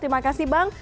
terima kasih bang